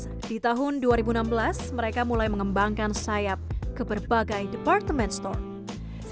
pada tahun dua ribu enam belas mereka mulai mengembangkan sayap ke berbagai department store